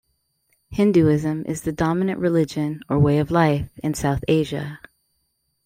Hinduism is the dominant religion, or way of life, in South Asia.